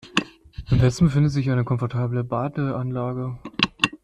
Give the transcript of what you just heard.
Im Westen befindet sich eine komfortable Badeanlage.